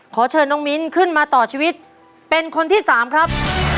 ขอเชิญน้องมิ้นขึ้นมาต่อชีวิตเป็นคนที่๓ครับ